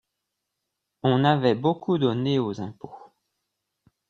On avait beaucoup donné aux impôts.